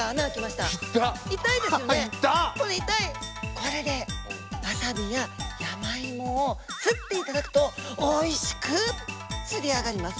これでわさびや山芋をすっていただくとおいしくすり上がります。